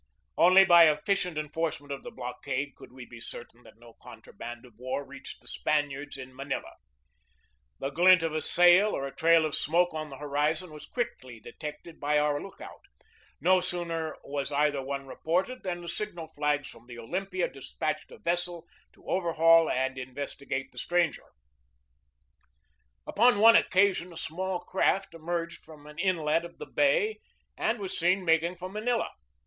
Only by efficient enforcement of the blockade could we be certain that no contraband of war reached the Spaniards in Manila. The glint of a sail or a 242 GEORGE DEWEY trail of smoke on the horizon was quickly detected by our lookout. No sooner was either one reported than the signal flags from the Olympia despatched a vessel to overhaul and investigate the stranger. Upon one occasion a small craft emerged from an inlet of the bay and was seen making for Manila.